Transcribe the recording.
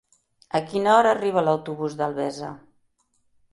A quina hora arriba l'autobús d'Albesa?